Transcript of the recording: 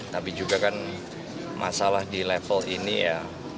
tapi juga kan masalah di level ini ya